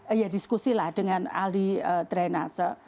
iya diskusi lah dengan ahli trenase